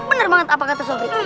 bener banget apa kata sofri